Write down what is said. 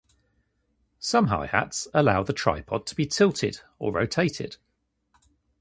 Some hi-hats allow the tripod to be tilted or rotated.